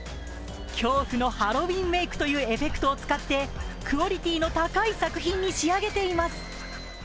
恐怖のハロウィーンメークというエフェクトを使ってクオリティーの高い作品に仕上げています。